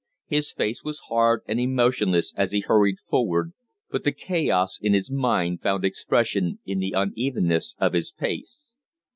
His face was hard and emotionless as he hurried forward, but the chaos in his mind found expression in the unevenness of his pace.